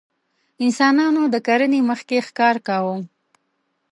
انسانانو د کرنې مخکې ښکار کاوه.